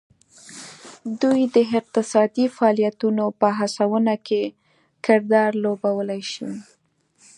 دوی د اقتصادي فعالیتونو په هڅونه کې کردار لوبولی شي